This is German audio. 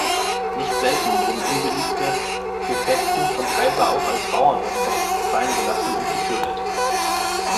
Nicht selten wurden unbeliebte Präfekten vom Kaiser auch als Bauernopfer fallengelassen und getötet.